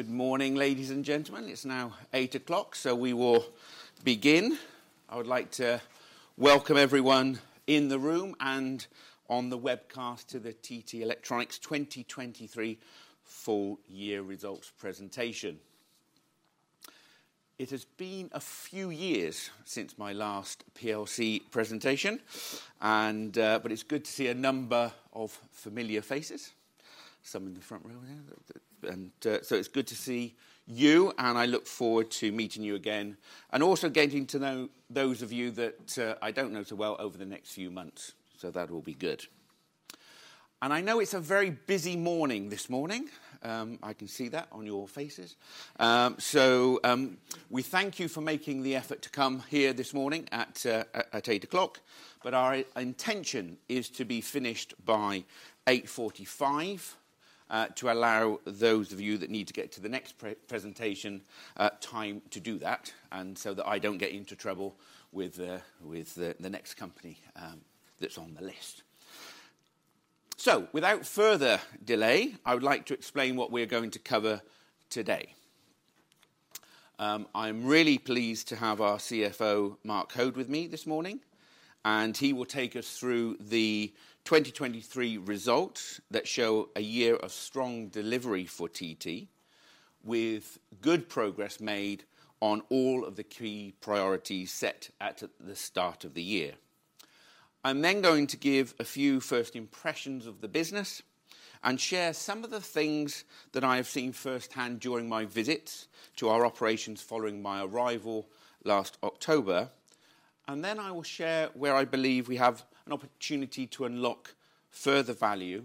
Good morning, ladies and gentlemen. It's now 8:00 A.M., so we will begin. I would like to welcome everyone in the room and on the webcast to the TT Electronics 2023 full year results presentation. It has been a few years since my last PLC presentation, and, but it's good to see a number of familiar faces, some in the front row there. And, so it's good to see you, and I look forward to meeting you again, and also getting to know those of you that I don't know so well over the next few months. So that will be good. And I know it's a very busy morning this morning. I can see that on your faces. So, we thank you for making the effort to come here this morning at 8:00 A.M., but our intention is to be finished by 8:45 A.M., to allow those of you that need to get to the next pre-presentation time to do that, and so that I don't get into trouble with the next company that's on the list. So without further delay, I would like to explain what we're going to cover today. I'm really pleased to have our CFO, Mark Hoad, with me this morning, and he will take us through the 2023 results that show a year of strong delivery for TT, with good progress made on all of the key priorities set at the start of the year. I'm then going to give a few first impressions of the business and share some of the things that I have seen firsthand during my visits to our operations following my arrival last October. Then I will share where I believe we have an opportunity to unlock further value,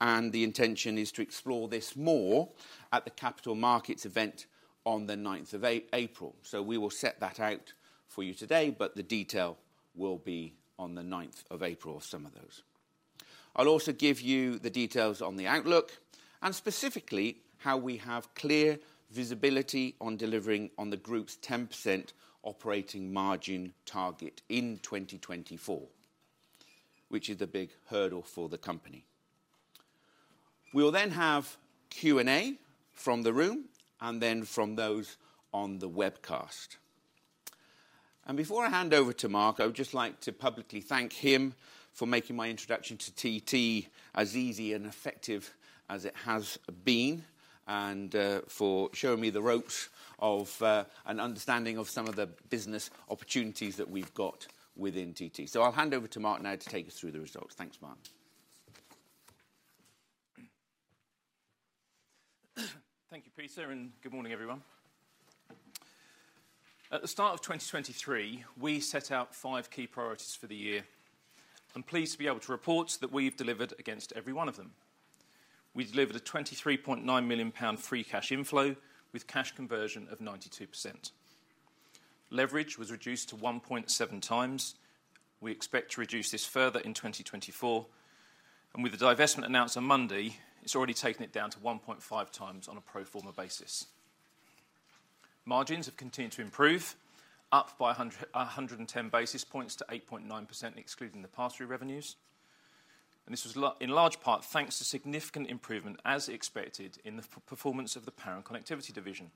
and the intention is to explore this more at the Capital Markets Event on the ninth of April. We will set that out for you today, but the detail will be on the ninth of April, some of those. I'll also give you the details on the outlook, and specifically, how we have clear visibility on delivering on the group's 10% operating margin target in 2024, which is a big hurdle for the company. We will then have Q&A from the room and then from those on the webcast. Before I hand over to Mark, I would just like to publicly thank him for making my introduction to TT as easy and effective as it has been, and for showing me the ropes of an understanding of some of the business opportunities that we've got within TT. So I'll hand over to Mark now to take us through the results. Thanks, Mark. Thank you, Peter, and good morning, everyone. At the start of 2023, we set out five key priorities for the year. I'm pleased to be able to report that we've delivered against every one of them. We delivered a 23.9 million pound free cash inflow, with cash conversion of 92%. Leverage was reduced to 1.7 times. We expect to reduce this further in 2024, and with the divestment announced on Monday, it's already taken it down to 1.5 times on a pro forma basis. Margins have continued to improve, up by 110 basis points to 8.9%, excluding the pass-through revenues, and this was in large part thanks to significant improvement, as expected, in the performance of the Power and Connectivity division.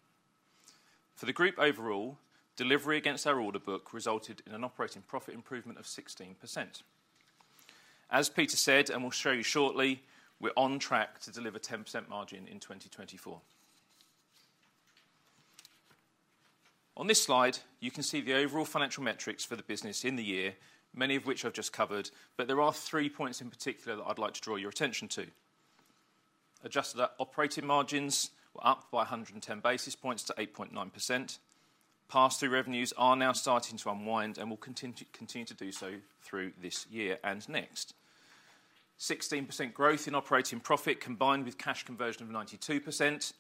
For the group overall, delivery against our order book resulted in an operating profit improvement of 16%. As Peter said, and we'll show you shortly, we're on track to deliver 10% margin in 2024. On this slide, you can see the overall financial metrics for the business in the year, many of which I've just covered, but there are three points in particular that I'd like to draw your attention to. Adjusted operating margins were up by 110 basis points to 8.9%. Pass-through revenues are now starting to unwind and will continue to do so through this year and next. 16% growth in operating profit, combined with cash conversion of 92%,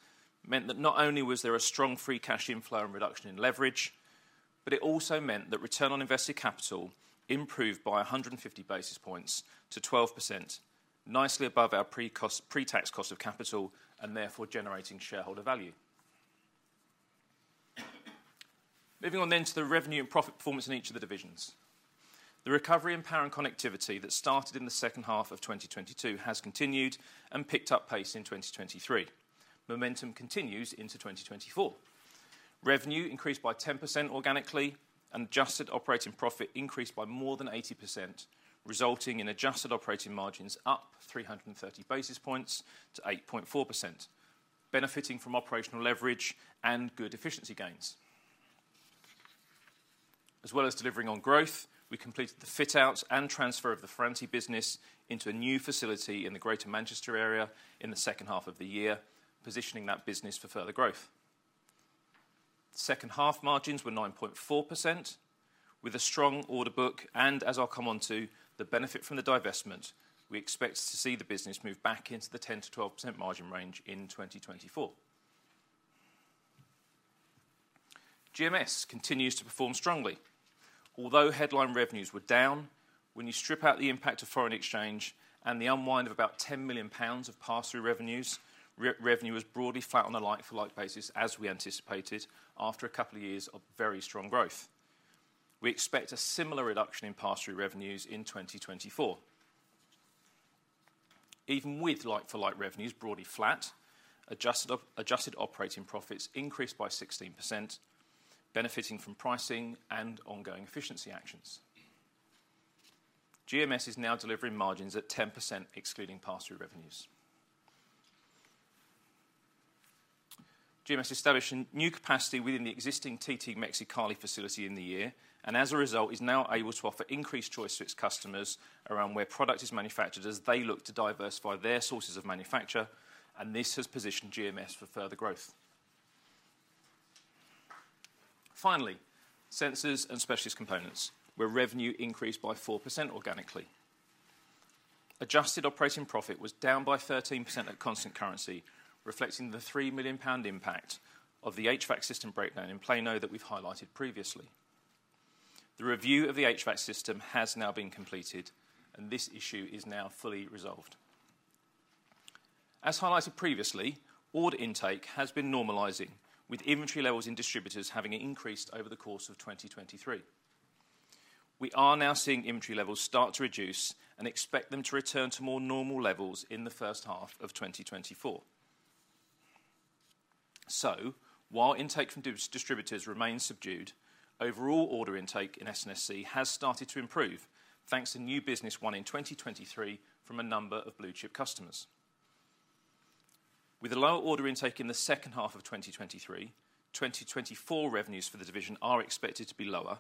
meant that not only was there a strong free cash inflow and reduction in leverage, but it also meant that return on invested capital improved by 150 basis points to 12%, nicely above our pre-tax cost of capital, and therefore generating shareholder value. Moving on then to the revenue and profit performance in each of the divisions. The recovery in power and connectivity that started in the second half of 2022 has continued and picked up pace in 2023. Momentum continues into 2024. Revenue increased by 10% organically, and adjusted operating profit increased by more than 80%, resulting in adjusted operating margins up 330 basis points to 8.4%, benefiting from operational leverage and good efficiency gains. As well as delivering on growth, we completed the fit out and transfer of the Ferranti business into a new facility in the Greater Manchester area in the second half of the year, positioning that business for further growth. Second-half margins were 9.4%. With a strong order book, and as I'll come onto, the benefit from the divestment, we expect to see the business move back into the 10%-12% margin range in 2024. GMS continues to perform strongly. Although headline revenues were down, when you strip out the impact of foreign exchange and the unwind of about 10 million pounds of pass-through revenues, revenue was broadly flat on a like-for-like basis, as we anticipated, after a couple of years of very strong growth. We expect a similar reduction in pass-through revenues in 2024.... Even with like-for-like revenues broadly flat, adjusted operating profits increased by 16%, benefiting from pricing and ongoing efficiency actions. GMS is now delivering margins at 10%, excluding pass-through revenues. GMS established a new capacity within the existing TT Mexicali facility in the year, and as a result, is now able to offer increased choice to its customers around where product is manufactured, as they look to diversify their sources of manufacture, and this has positioned GMS for further growth. Finally, Sensors and Specialist Components, where revenue increased by 4% organically. Adjusted operating profit was down by 13% at constant currency, reflecting the 3 million pound impact of the HVAC system breakdown in Plano that we've highlighted previously. The review of the HVAC system has now been completed, and this issue is now fully resolved. As highlighted previously, order intake has been normalizing, with inventory levels in distributors having increased over the course of 2023. We are now seeing inventory levels start to reduce and expect them to return to more normal levels in the first half of 2024. So while intake from distributors remains subdued, overall order intake in S&SC has started to improve, thanks to new business won in 2023 from a number of blue-chip customers. With a lower order intake in the second half of 2023, 2024 revenues for the division are expected to be lower.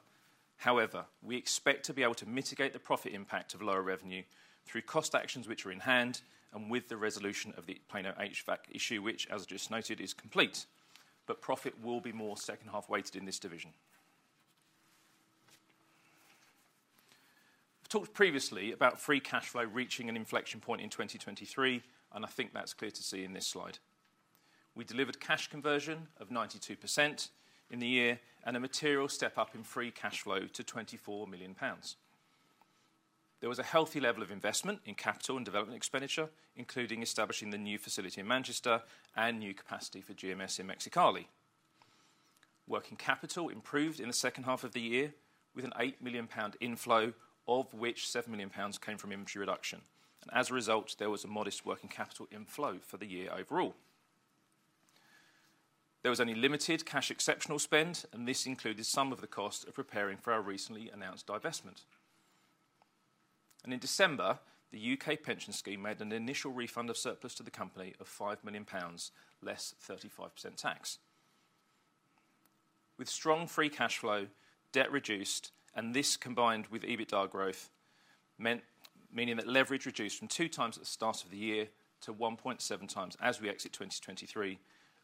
However, we expect to be able to mitigate the profit impact of lower revenue through cost actions which are in hand and with the resolution of the Plano HVAC issue, which, as just noted, is complete, but profit will be more second half-weighted in this division. I've talked previously about free cash flow reaching an inflection point in 2023, and I think that's clear to see in this slide. We delivered cash conversion of 92% in the year and a material step-up in free cash flow to 24 million pounds. There was a healthy level of investment in capital and development expenditure, including establishing the new facility in Manchester and new capacity for GMS in Mexicali. Working capital improved in the second half of the year with a 8 million pound inflow, of which 7 million pounds came from inventory reduction, and as a result, there was a modest working capital inflow for the year overall. There was only limited cash exceptional spend, and this included some of the cost of preparing for our recently announced divestment. In December, the U.K. pension scheme made an initial refund of surplus to the company of 5 million pounds, less 35% tax. With strong free cash flow, debt reduced, and this combined with EBITDA growth, meaning that leverage reduced from two-times at the start of the year to 1.7x as we exit 2023,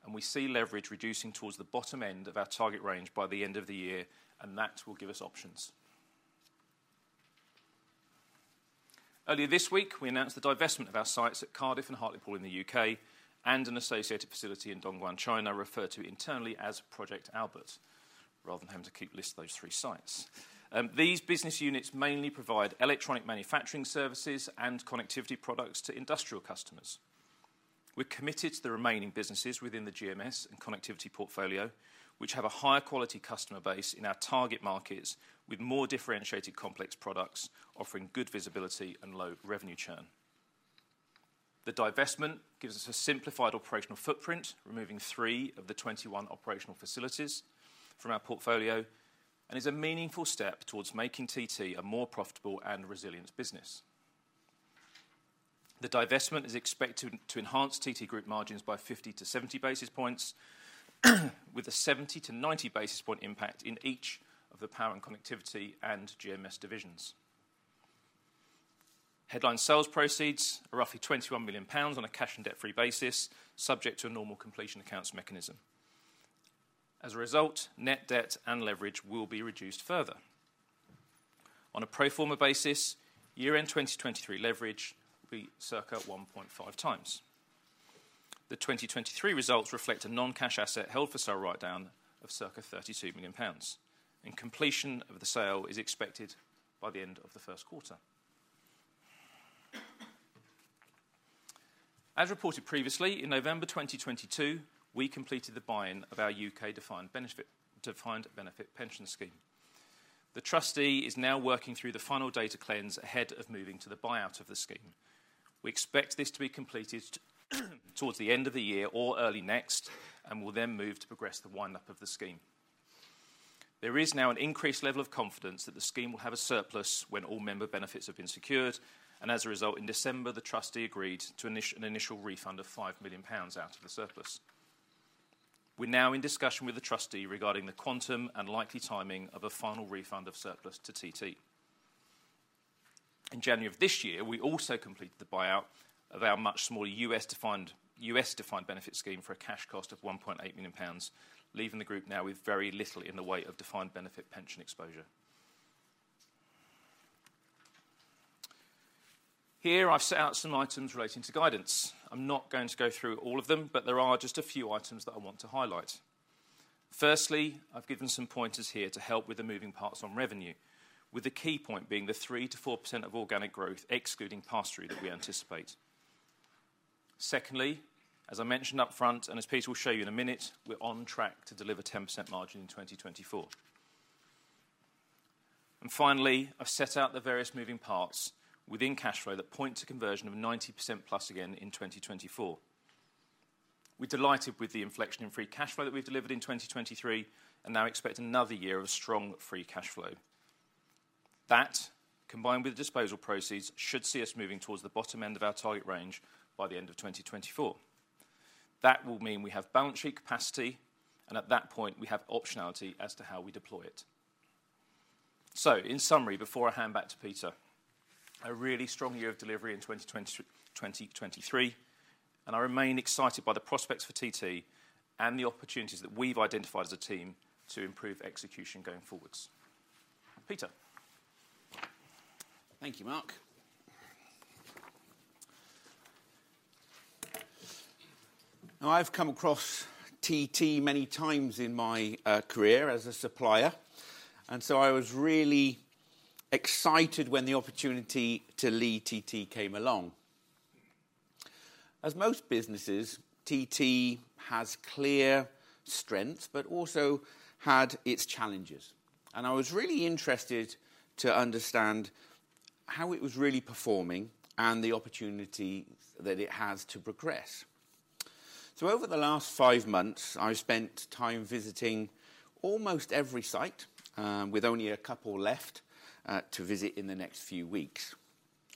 and we see leverage reducing towards the bottom end of our target range by the end of the year, and that will give us options. Earlier this week, we announced the divestment of our sites at Cardiff and Hartlepool in the U.K. and an associated facility in Dongguan, China, referred to internally as Project Albert, rather than having to keep a list of those three sites. These business units mainly provide electronic manufacturing services and connectivity products to industrial customers. We're committed to the remaining businesses within the GMS and Connectivity portfolio, which have a higher quality customer base in our target markets, with more differentiated, complex products, offering good visibility and low revenue churn. The divestment gives us a simplified operational footprint, removing three of the 21 operational facilities from our portfolio, and is a meaningful step towards making TT a more profitable and resilient business. The divestment is expected to enhance TT Group margins by 50-70 basis points, with a 70-90 basis point impact in each of the Power and Connectivity and GMS divisions. Headline sales proceeds are roughly 21 million pounds on a cash and debt-free basis, subject to a normal completion accounts mechanism. As a result, net debt and leverage will be reduced further. On a pro forma basis, year-end 2023 leverage will be circa 1.5 times. The 2023 results reflect a non-cash asset held for sale write-down of circa 32 million pounds, and completion of the sale is expected by the end of the first quarter. As reported previously, in November 2022, we completed the buy-in of our U.K. defined benefit pension scheme. The trustee is now working through the final data cleanse ahead of moving to the buyout of the scheme. We expect this to be completed towards the end of the year or early next, and will then move to progress the wind-up of the scheme. There is now an increased level of confidence that the scheme will have a surplus when all member benefits have been secured, and as a result, in December, the trustee agreed to an initial refund of 5 million pounds out of the surplus. We're now in discussion with the trustee regarding the quantum and likely timing of a final refund of surplus to TT. In January of this year, we also completed the buyout of our much smaller U.S. defined benefit scheme for a cash cost of 1.8 million pounds, leaving the group now with very little in the way of defined benefit pension exposure. Here, I've set out some items relating to guidance. I'm not going to go through all of them, but there are just a few items that I want to highlight. Firstly, I've given some pointers here to help with the moving parts on revenue, with the key point being the 3%-4% of organic growth, excluding pass-through, that we anticipate. Secondly, as I mentioned upfront, and as Peter will show you in a minute, we're on track to deliver 10% margin in 2024. And finally, I've set out the various moving parts within cash flow that point to conversion of 90%+ again in 2024. We're delighted with the inflection in free cash flow that we've delivered in 2023, and now expect another year of strong free cash flow. That, combined with the disposal proceeds, should see us moving towards the bottom end of our target range by the end of 2024. That will mean we have balance sheet capacity, and at that point, we have optionality as to how we deploy it. In summary, before I hand back to Peter, a really strong year of delivery in 2020, 2023, and I remain excited by the prospects for TT and the opportunities that we've identified as a team to improve execution going forward. Peter. Thank you, Mark. Now, I've come across TT many times in my career as a supplier, and so I was really excited when the opportunity to lead TT came along. As most businesses, TT has clear strengths, but also had its challenges, and I was really interested to understand how it was really performing and the opportunity that it has to progress. So over the last five months, I've spent time visiting almost every site, with only a couple left to visit in the next few weeks.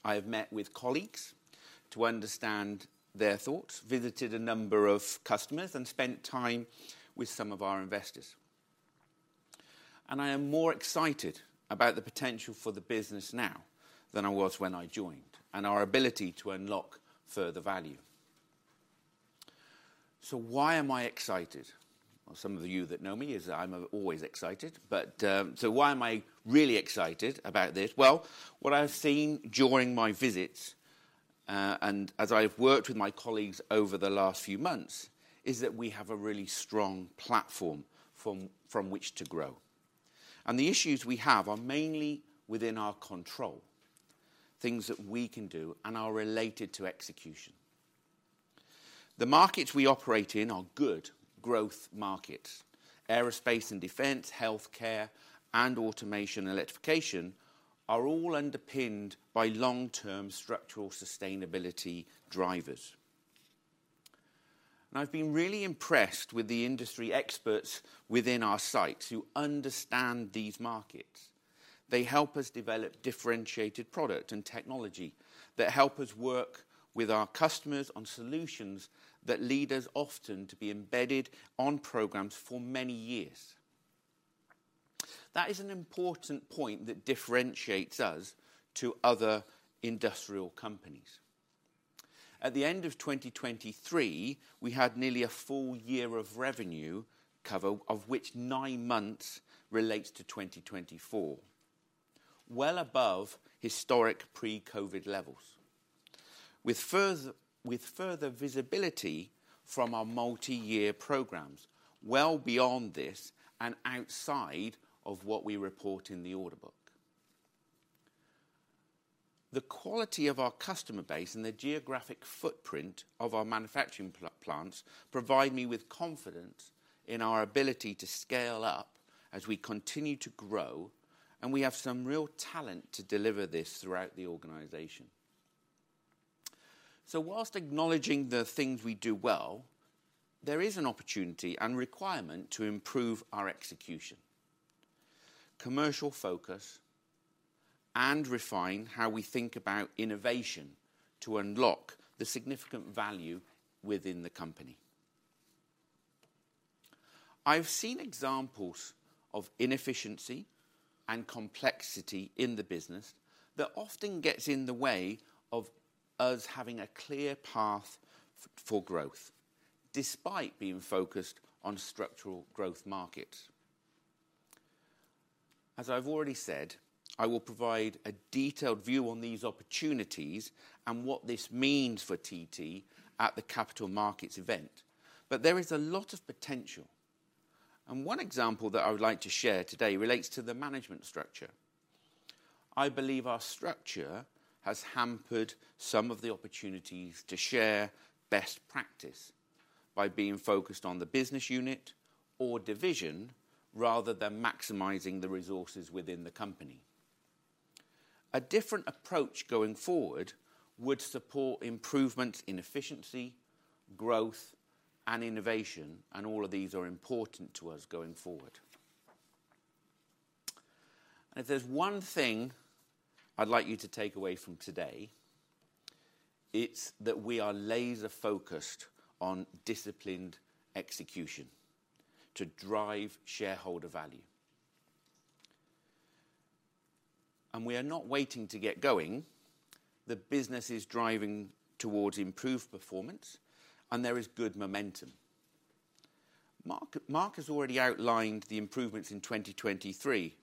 I have met with colleagues to understand their thoughts, visited a number of customers, and spent time with some of our investors. And I am more excited about the potential for the business now than I was when I joined, and our ability to unlock further value. So why am I excited? Well, some of you that know me is that I'm always excited, but, so why am I really excited about this? Well, what I've seen during my visits, and as I've worked with my colleagues over the last few months, is that we have a really strong platform from which to grow, and the issues we have are mainly within our control, things that we can do and are related to execution. The markets we operate in are good growth markets. Aerospace and defense, healthcare, and automation, electrification are all underpinned by long-term structural sustainability drivers. I've been really impressed with the industry experts within our sites who understand these markets. They help us develop differentiated product and technology that help us work with our customers on solutions that lead us often to be embedded on programs for many years. That is an important point that differentiates us to other industrial companies. At the end of 2023, we had nearly a full year of revenue cover, of which nine months relates to 2024, well above historic pre-COVID levels. With further visibility from our multi-year programs, well beyond this and outside of what we report in the order book. The quality of our customer base and the geographic footprint of our manufacturing plants provide me with confidence in our ability to scale up as we continue to grow, and we have some real talent to deliver this throughout the organization. So whilst acknowledging the things we do well, there is an opportunity and requirement to improve our execution, commercial focus, and refine how we think about innovation to unlock the significant value within the company. I've seen examples of inefficiency and complexity in the business that often gets in the way of us having a clear path for growth, despite being focused on structural growth markets. As I've already said, I will provide a detailed view on these opportunities and what this means for TT at the capital markets event. There is a lot of potential, and one example that I would like to share today relates to the management structure. I believe our structure has hampered some of the opportunities to share best practice by being focused on the business unit or division, rather than maximizing the resources within the company. A different approach going forward would support improvements in efficiency, growth, and innovation, and all of these are important to us going forward. If there's one thing I'd like you to take away from today, it's that we are laser focused on disciplined execution to drive shareholder value. We are not waiting to get going. The business is driving towards improved performance, and there is good momentum. Mark, Mark has already outlined the improvements in 2023,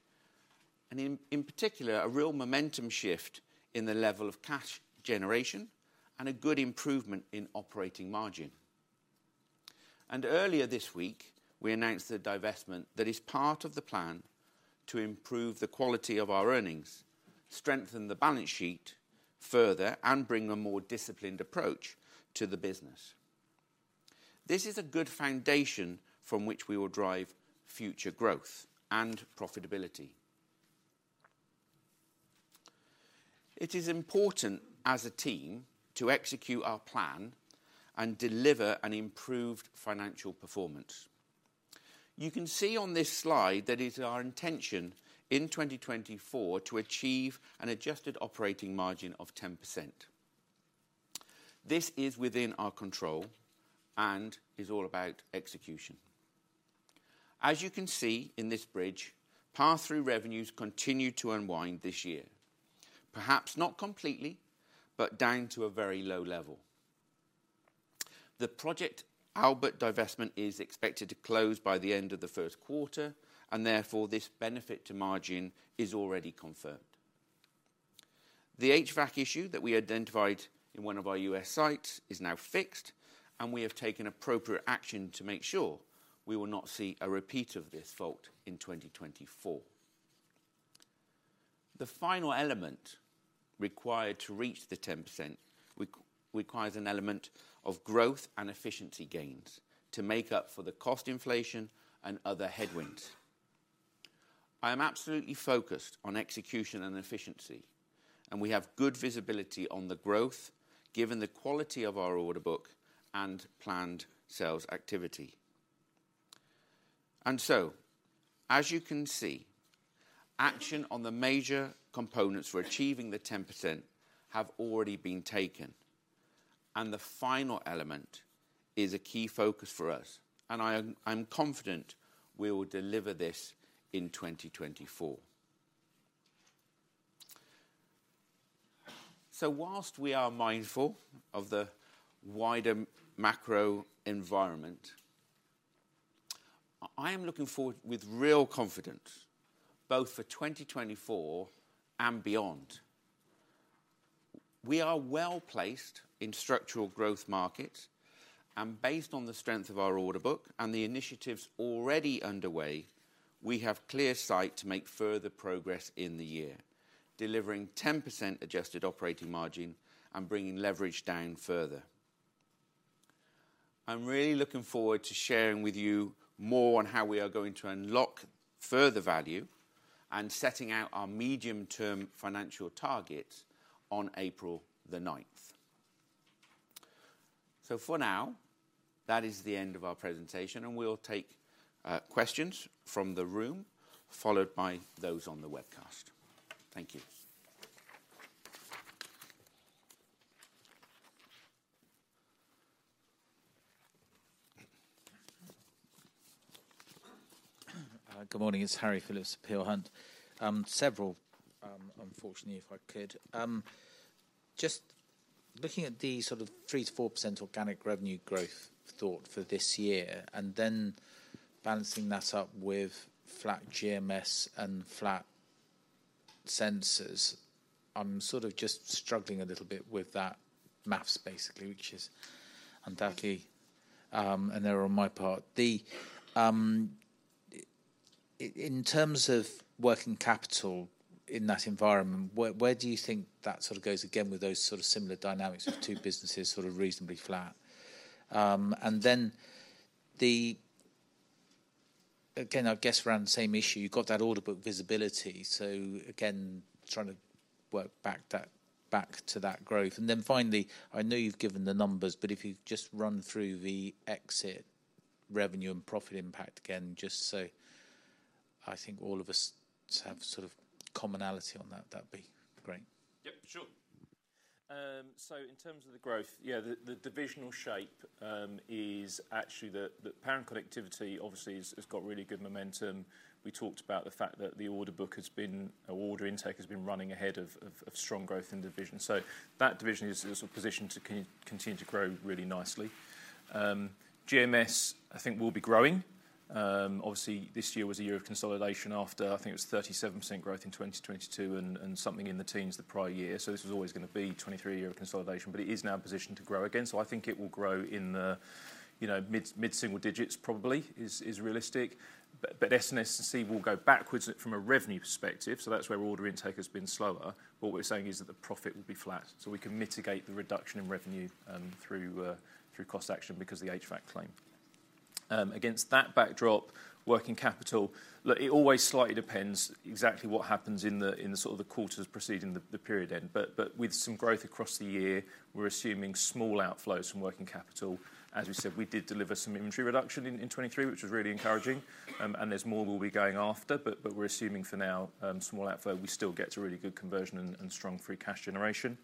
and in, in particular, a real momentum shift in the level of cash generation and a good improvement in operating margin. Earlier this week, we announced a divestment that is part of the plan to improve the quality of our earnings, strengthen the balance sheet further, and bring a more disciplined approach to the business.... This is a good foundation from which we will drive future growth and profitability. It is important, as a team, to execute our plan and deliver an improved financial performance. You can see on this slide that it's our intention in 2024 to achieve an adjusted operating margin of 10%. This is within our control and is all about execution. As you can see in this bridge, pass-through revenues continue to unwind this year. Perhaps not completely, but down to a very low level. The Project Albert divestment is expected to close by the end of the first quarter, and therefore, this benefit to margin is already confirmed. The HVAC issue that we identified in one of our U.S. sites is now fixed, and we have taken appropriate action to make sure we will not see a repeat of this fault in 2024. The final element required to reach the 10% requires an element of growth and efficiency gains to make up for the cost inflation and other headwinds. I am absolutely focused on execution and efficiency, and we have good visibility on the growth, given the quality of our order book and planned sales activity. So, as you can see, action on the major components for achieving the 10% have already been taken, and the final element is a key focus for us, and I'm confident we will deliver this in 2024. While we are mindful of the wider macro environment, I am looking forward with real confidence, both for 2024 and beyond. We are well-placed in structural growth markets, and based on the strength of our order book and the initiatives already underway, we have clear sight to make further progress in the year, delivering 10% adjusted operating margin and bringing leverage down further. I'm really looking forward to sharing with you more on how we are going to unlock further value and setting out our medium-term financial targets on April the ninth. For now, that is the end of our presentation, and we'll take questions from the room, followed by those on the webcast. Thank you. Good morning, it's Harry Phillips at Peel Hunt. Unfortunately, if I could. Just looking at the sort of 3%-4% organic revenue growth thought for this year, and then balancing that up with flat GMS and flat sensors, I'm sort of just struggling a little bit with that math, basically, which is undoubtedly an error on my part. In terms of working capital in that environment, where do you think that sort of goes again with those sort of similar dynamics of two businesses sort of reasonably flat? And then the... Again, I guess around the same issue, you've got that order book visibility. So again, trying to work back that, back to that growth. And then finally, I know you've given the numbers, but if you just run through the exit revenue and profit impact again, just so I think all of us have sort of commonality on that, that'd be great. Yep, sure. So in terms of the growth, yeah, the divisional shape is actually the power and connectivity obviously has got really good momentum. We talked about the fact that the order book has been... or order intake has been running ahead of strong growth in division. So that division is well positioned to continue to grow really nicely. GMS, I think will be growing. Obviously, this year was a year of consolidation after, I think it was 37% growth in 2022 and something in the teens the prior year. So this was always gonna be 2023, a year of consolidation, but it is now positioned to grow again. So I think it will grow in the, you know, mid-single digits probably, is realistic. But S&SC will go backwards from a revenue perspective, so that's where order intake has been slower. What we're saying is that the profit will be flat, so we can mitigate the reduction in revenue through cost action because of the HVAC claim. Against that backdrop, working capital, look, it always slightly depends exactly what happens in the sort of the quarters preceding the period end. But with some growth across the year, we're assuming small outflows from working capital. As we said, we did deliver some inventory reduction in 2023, which was really encouraging. And there's more we'll be going after, but we're assuming for now small outflow, we still get to really good conversion and strong free cash generation.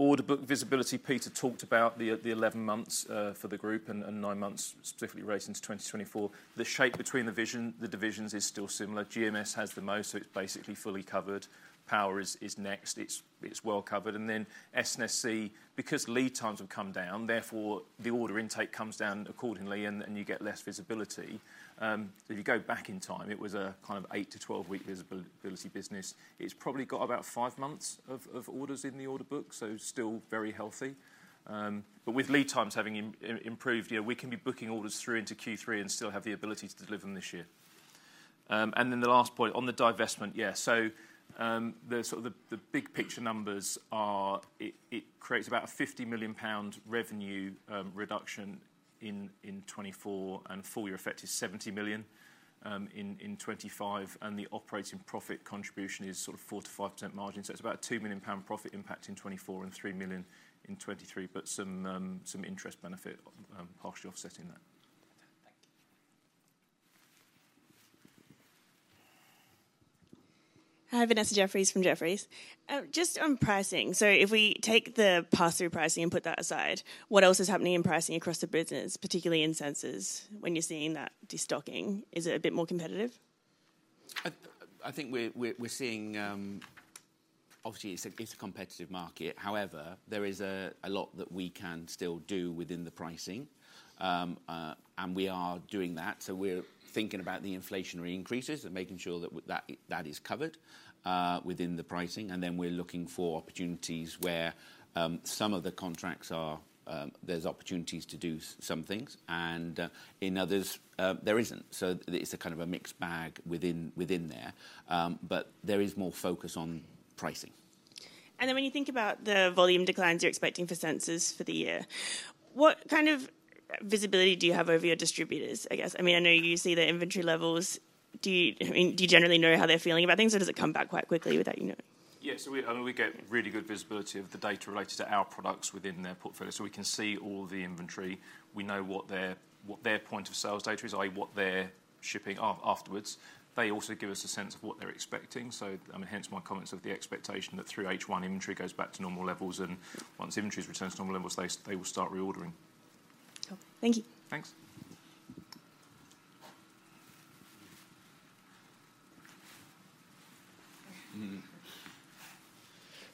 Order book visibility. Peter talked about the 11 months for the group and nine months specifically raised into 2024. The shape between the divisions is still similar. GMS has the most, so it's basically fully covered. Power is next, it's well covered. And then S&SC, because lead times have come down, therefore, the order intake comes down accordingly, and you get less visibility. If you go back in time, it was a kind of 8-12-week visibility business. It's probably got about five months of orders in the order book, so still very healthy. But with lead times having improved, yeah, we can be booking orders through into Q3 and still have the ability to deliver them this year.... and then the last point on the divestment. Yeah, so, the big picture numbers are, it creates about a 50 million pound revenue reduction in 2024, and full year effect is 70 million in 2025, and the operating profit contribution is sort of 4%-5% margin. So it's about a 2 million pound profit impact in 2024 and 3 million in 2023, but some interest benefit partially offsetting that. Thank you. Hi, Vanessa Jefferies from Jefferies. Just on pricing, so if we take the pass-through pricing and put that aside, what else is happening in pricing across the business, particularly in Sensors, when you're seeing that destocking? Is it a bit more competitive? I think we're seeing, obviously, it's a competitive market. However, there is a lot that we can still do within the pricing. And we are doing that, so we're thinking about the inflationary increases and making sure that that is covered within the pricing. And then we're looking for opportunities where some of the contracts are, there's opportunities to do some things, and in others, there isn't. So it's a kind of a mixed bag within there. But there is more focus on pricing. And then when you think about the volume declines you're expecting for Sensors for the year, what kind of visibility do you have over your distributors, I guess? I mean, I know you see their inventory levels. Do you, I mean, do you generally know how they're feeling about things, or does it come back quite quickly without you knowing? Yeah, so we, I mean, we get really good visibility of the data related to our products within their portfolio. So we can see all the inventory. We know what their, what their point of sales data is, i.e., what they're shipping afterwards. They also give us a sense of what they're expecting, so, I mean, hence my comments of the expectation that through H1, inventory goes back to normal levels, and once inventory returns to normal levels, they, they will start reordering. Cool. Thank you. Thanks. Mm.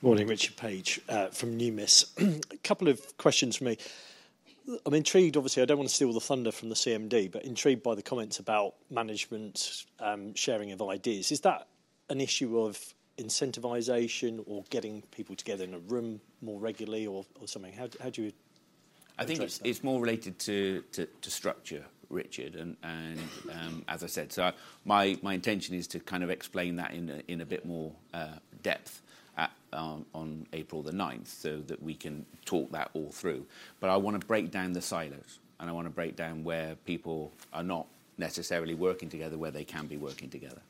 Morning, Richard Page from Numis. A couple of questions from me. I'm intrigued obviously. I don't want to steal all the thunder from the CMD, but intrigued by the comments about management sharing of ideas. Is that an issue of incentivization or getting people together in a room more regularly or something? How'd you address that? I think it's more related to structure, Richard, and as I said... So my intention is to kind of explain that in a bit more depth on April the 9th, so that we can talk that all through. But I want to break down the silos, and I want to break down where people are not necessarily working together, where they can be working together.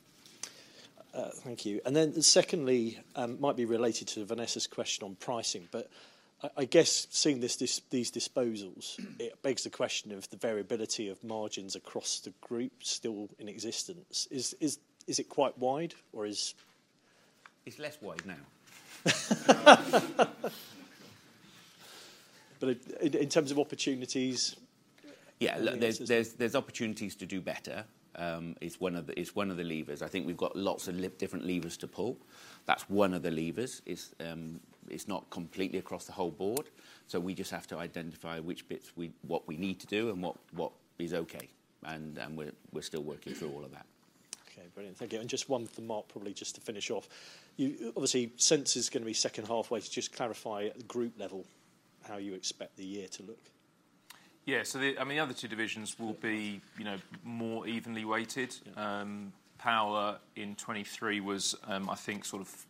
Thank you. And then secondly, might be related to Vanessa's question on pricing, but I guess seeing these disposals, it begs the question of the variability of margins across the group still in existence. Is it quite wide or is- It's less wide now. But in terms of opportunities? Yeah. There's opportunities to do better, is one of the levers. I think we've got lots of different levers to pull. That's one of the levers. It's not completely across the whole board, so we just have to identify which bits what we need to do and what is okay, and we're still working through all of that. Okay, brilliant. Thank you. And just one for Mark, probably just to finish off. You—obviously, Sensors is going to be second half. Just clarify at the group level, how you expect the year to look? Yeah. So the, I mean, the other two divisions will be, you know, more evenly weighted. Power in 2023 was, I think sort of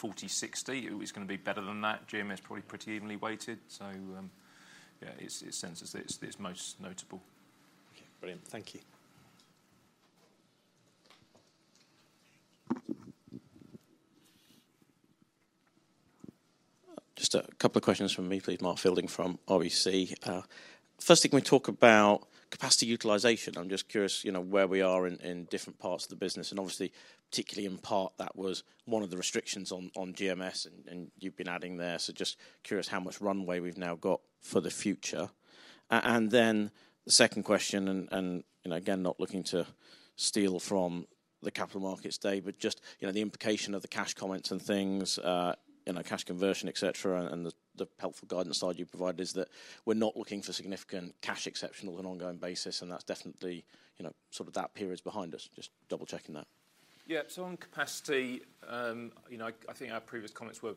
40-60. It was going to be better than that. GMS is probably pretty evenly weighted, so, yeah, it's, it's Sensors, it's, it's most notable. Okay, brilliant. Thank you. Just a couple of questions from me, please. Mark Fielding from RBC. First, can we talk about capacity utilization? I'm just curious, you know, where we are in different parts of the business, and obviously, particularly in power, that was one of the restrictions on GMS, and you've been adding there. So just curious how much runway we've now got for the future. And then the second question, and, you know, again, not looking to steal from the capital markets day, but just, you know, the implication of the cash comments and things, you know, cash conversion, et cetera, and the helpful guidance slide you provided is that we're not looking for significant cash exceptionals on an ongoing basis, and that's definitely, you know, sort of that period's behind us. Just double-checking that. Yeah. So on capacity, you know, I think our previous comments were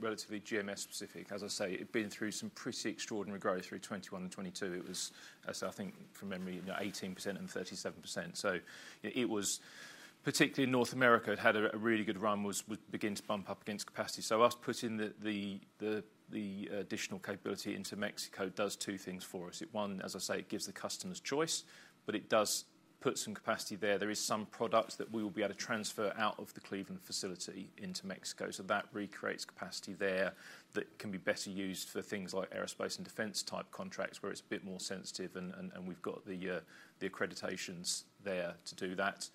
relatively GMS specific. As I say, it'd been through some pretty extraordinary growth through 2021 and 2022. It was, I think, from memory, you know, 18% and 37%. So it was particularly North America had a really good run, was beginning to bump up against capacity. So us putting the additional capability into Mexico does two things for us. It one, as I say, it gives the customers choice, but it does put some capacity there. There is some products that we will be able to transfer out of the Cleveland facility into Mexico, so that recreates capacity there that can be better used for things like aerospace and defense-type contracts, where it's a bit more sensitive, and we've got the accreditations there to do that.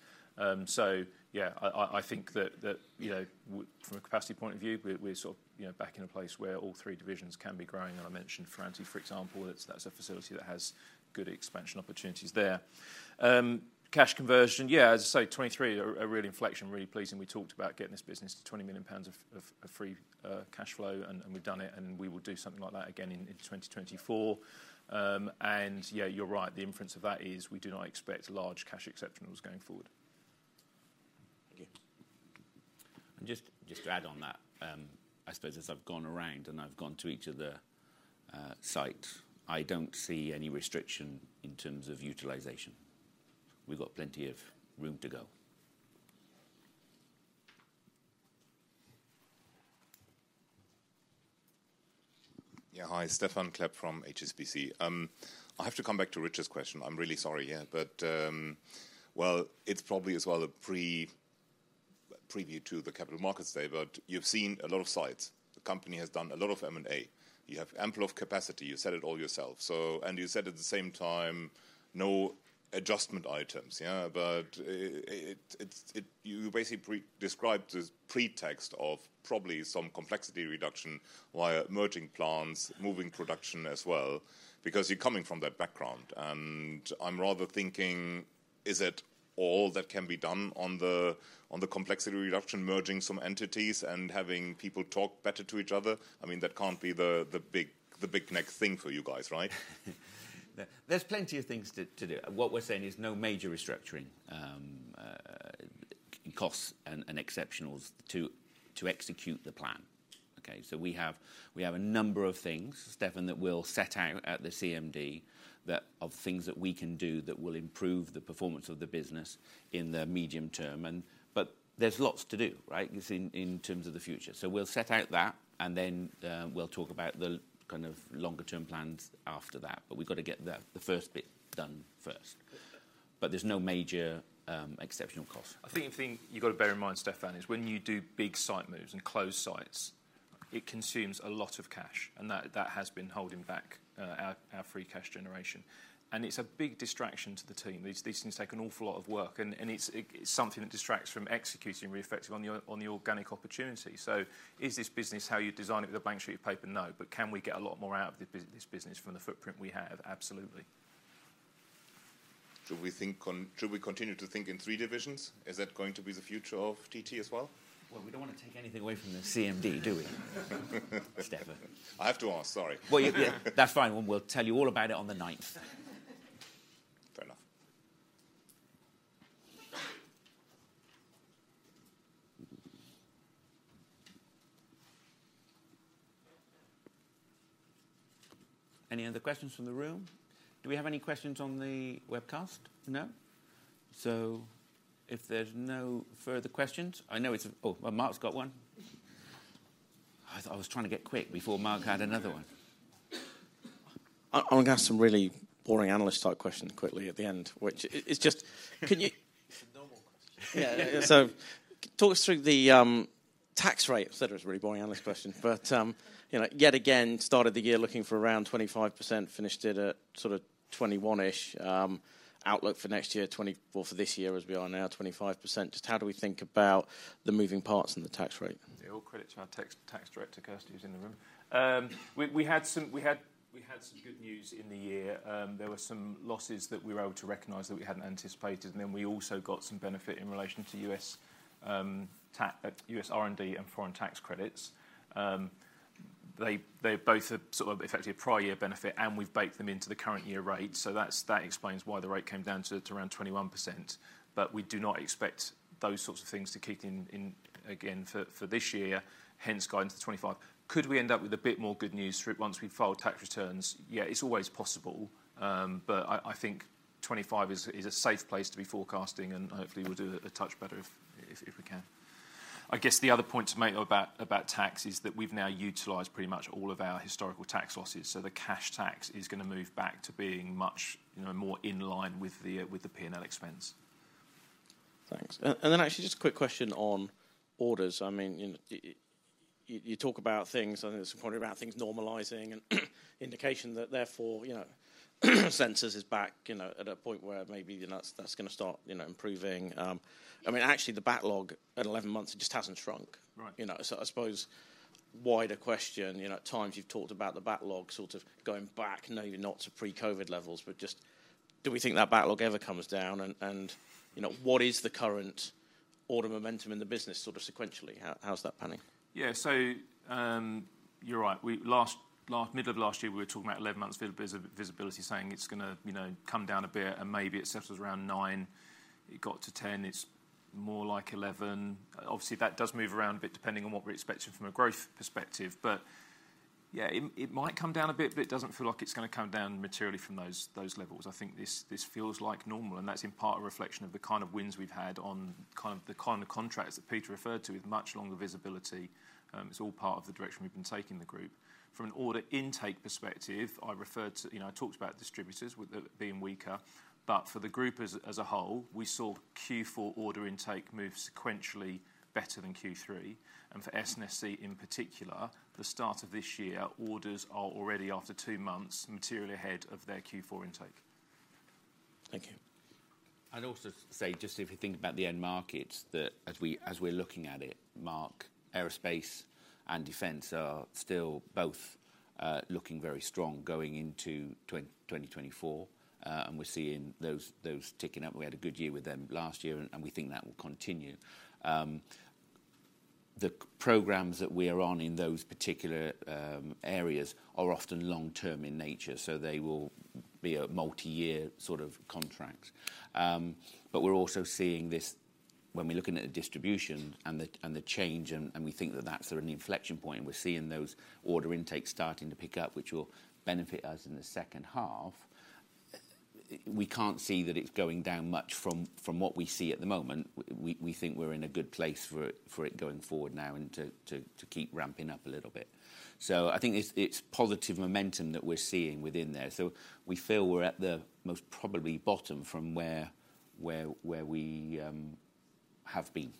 So yeah, I think that, you know, from a capacity point of view, we're sort of, you know, back in a place where all three divisions can be growing. And I mentioned Ferranti, for example, that's a facility that has good expansion opportunities there. Cash conversion, yeah, as I say, 2023, a real inflection, really pleasing. We talked about getting this business to 20 million pounds of free cash flow, and we've done it, and we will do something like that again in 2024. And yeah, you're right. The inference of that is we do not expect large cash exceptionals going forward. ... Just to add on that, I suppose as I've gone around, and I've gone to each of the site, I don't see any restriction in terms of utilization. We've got plenty of room to go. Yeah, hi, Stephan Klepp from HSBC. I have to come back to Richard's question. I'm really sorry, yeah, but, well, it's probably as well a preview to the Capital Markets Day, but you've seen a lot of sites. The company has done a lot of M&A. You have ample of capacity. You said it all yourself, so... And you said at the same time, no adjustment items. Yeah, but, you basically pre-described as pretext of probably some complexity reduction via merging plants, moving production as well, because you're coming from that background, and I'm rather thinking, is it all that can be done on the complexity reduction, merging some entities and having people talk better to each other? I mean, that can't be the big next thing for you guys, right? There's plenty of things to do. What we're saying is no major restructuring costs and exceptionals to execute the plan. Okay? So we have a number of things, Stephan, that we'll set out at the CMD, that of things that we can do that will improve the performance of the business in the medium term and... But there's lots to do, right? In terms of the future. So we'll set out that, and then we'll talk about the kind of longer-term plans after that. But we've got to get the first bit done first. But there's no major exceptional cost. I think the thing you've got to bear in mind, Stephan, is when you do big site moves and close sites, it consumes a lot of cash, and that has been holding back our free cash generation. And it's a big distraction to the team. These things take an awful lot of work, and it's something that distracts from executing and being effective on the organic opportunity. So is this business how you design it with a blank sheet of paper? No. But can we get a lot more out of this business from the footprint we have? Absolutely. Do we think, should we continue to think in three divisions? Is that going to be the future of TT as well? Well, we don't want to take anything away from the CMD, do we? Stephan. I have to ask, sorry. Well, yeah, that's fine. We'll tell you all about it on the ninth. Fair enough. Any other questions from the room? Do we have any questions on the webcast? No. So if there's no further questions, I know it's... Oh, well, Mark's got one. I, I was trying to get quick before Mark had another one. I'm going to ask some really boring analyst-type questions quickly at the end, which is just, can you- It's a normal question. Yeah. So talk us through the tax rate, etc. It's a really boring analyst question, but you know, yet again, started the year looking for around 25%, finished it at sort of 21-ish. Outlook for next year, twenty... Well, for this year, as we are now, 25%. Just how do we think about the moving parts in the tax rate? Yeah, all credit to our Tax Director, Kirsty, who's in the room. We had some good news in the year. There were some losses that we were able to recognize that we hadn't anticipated, and then we also got some benefit in relation to U.S. R&D and foreign tax credits. They both are sort of effectively a prior year benefit, and we've baked them into the current year rate, so that explains why the rate came down to around 21%. But we do not expect those sorts of things to keep in again for this year, hence guiding to 25%. Could we end up with a bit more good news through once we've filed tax returns? Yeah, it's always possible. But I think 25 is a safe place to be forecasting, and hopefully we'll do a touch better if we can. I guess the other point to make about tax is that we've now utilized pretty much all of our historical tax losses, so the cash tax is going to move back to being much, you know, more in line with the P&L expense. Thanks. And then actually, just a quick question on orders. I mean, you talk about things, and there's a point about things normalizing and indication that therefore, you know, sensors is back, you know, at a point where maybe, you know, that's going to start, you know, improving. I mean, actually, the backlog at 11 months, it just hasn't shrunk. Right. You know, so I suppose wider question, you know, at times you've talked about the backlog sort of going back, maybe not to pre-COVID levels, but just do we think that backlog ever comes down? And, you know, what is the current order momentum in the business sort of sequentially? How's that panning? Yeah, so, you're right. Last year, middle of last year, we were talking about 11 months visibility, saying it's going to, you know, come down a bit, and maybe it settles around nine. It got to 10. It's more like 11. Obviously, that does move around a bit, depending on what we're expecting from a growth perspective. But yeah, it might come down a bit, but it doesn't feel like it's going to come down materially from those levels. I think this feels like normal, and that's in part a reflection of the kind of wins we've had on the kind of contracts that Peter referred to, with much longer visibility. It's all part of the direction we've been taking the group. From an order intake perspective, I referred to, you know, I talked about distributors with their being weaker, but for the group as a whole, we saw Q4 order intake move sequentially better than Q3. And for S&SC, in particular, the start of this year, orders are already, after two months, materially ahead of their Q4 intake. Thank you. I'd also say, just if you think about the end markets, that as we, as we're looking at it, Mark, aerospace and defense are still both looking very strong going into 2024. And we're seeing those ticking up. We had a good year with them last year, and we think that will continue. The programs that we are on in those particular areas are often long-term in nature, so they will be a multi-year sort of contracts. But we're also seeing when we're looking at the distribution and the change, and we think that that's sort of an inflection point, and we're seeing those order intakes starting to pick up, which will benefit us in the second half. We can't see that it's going down much from what we see at the moment. We think we're in a good place for it going forward now and to keep ramping up a little bit. So I think it's positive momentum that we're seeing within there. So we feel we're at the most probably bottom from where we have been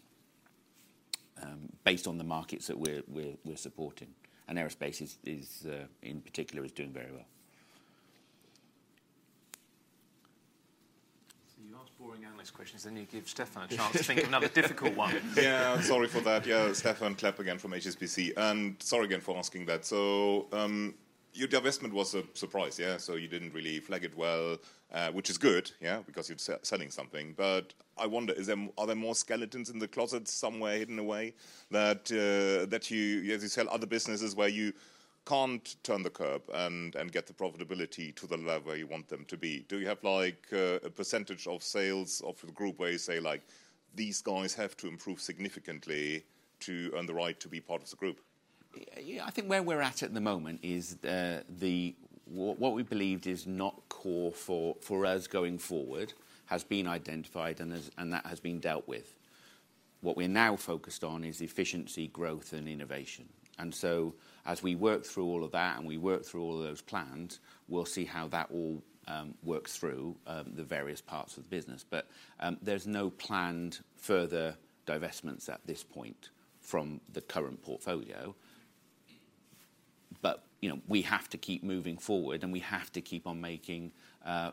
based on the markets that we're supporting, and aerospace in particular is doing very well. You ask boring analyst questions, then you give Stephan a chance to think of another difficult one. Yeah, sorry for that. Yeah, Stephan Klepp again from HSBC, and sorry again for asking that. So, your divestment was a surprise, yeah? So you didn't really flag it well, which is good, yeah, because you're selling something. But I wonder, are there more skeletons in the closet somewhere, hidden away, that that you, as you sell other businesses where you can't turn the corner and get the profitability to the level you want them to be? Do you have like a percentage of sales of the group where you say, like, "These guys have to improve significantly to earn the right to be part of the group? Yeah, I think where we're at at the moment is what we believed is not core for us going forward has been identified, and that has been dealt with. What we're now focused on is efficiency, growth, and innovation. And so as we work through all of that and we work through all of those plans, we'll see how that all works through the various parts of the business. But, there's no planned further divestments at this point from the current portfolio. But, you know, we have to keep moving forward, and we have to keep on making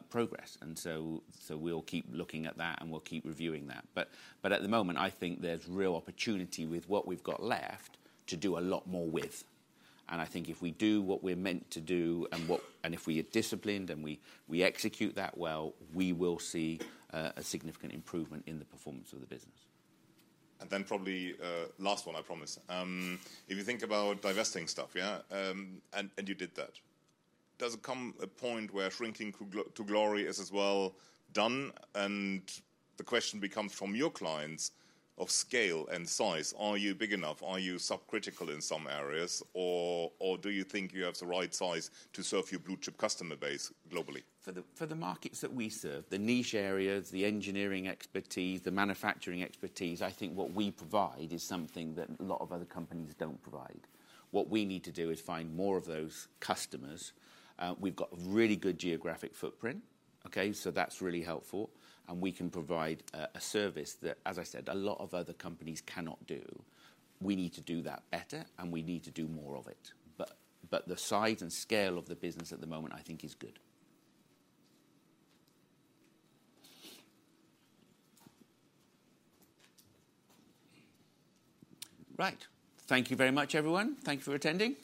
progress. And so we'll keep looking at that, and we'll keep reviewing that. But at the moment, I think there's real opportunity with what we've got left to do a lot more with, and I think if we do what we're meant to do and if we are disciplined, and we execute that well, we will see a significant improvement in the performance of the business. Then probably last one, I promise. If you think about divesting stuff, and you did that, does it come to a point where shrinking to glory is as well done, and the question becomes from your clients of scale and size? Are you big enough? Are you subcritical in some areas, or do you think you have the right size to serve your blue-chip customer base globally? For the markets that we serve, the niche areas, the engineering expertise, the manufacturing expertise, I think what we provide is something that a lot of other companies don't provide. What we need to do is find more of those customers. We've got a really good geographic footprint, okay? So that's really helpful, and we can provide a service that, as I said, a lot of other companies cannot do. We need to do that better, and we need to do more of it. But the size and scale of the business at the moment, I think, is good. Right. Thank you very much, everyone. Thank you for attending.